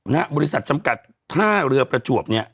บริษัทจำกัดท่าเรือประจวบเนี่ย